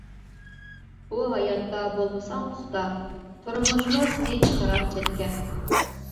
بۇ ھاياتتا بولمىساڭ پۇختا، تۇرمۇشمۇ سېنى چىقىرار چەتكە.